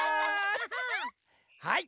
はい。